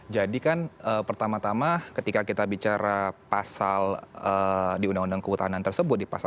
jadi kan pertama tama ketika kita bicara pasal di undang undang kehutanan tersebut di pasal empat puluh sembilan